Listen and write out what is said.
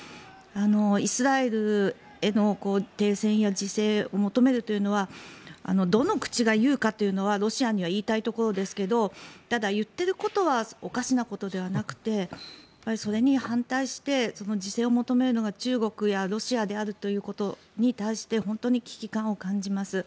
イスラエルへの停戦や自制を求めるというのはどの口が言うかというのはロシアには言いたいところですけどただ、言っていることはおかしなことではなくてそれに反対して自制を求めるのが中国やロシアであるということに対して本当に危機感を感じます。